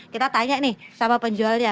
kita tanya nih sama penjualnya